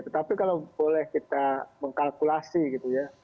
tetapi kalau boleh kita mengkalkulasi gitu ya